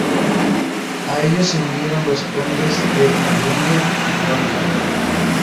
A ellos se unieron los condes de Arundel y Warwick.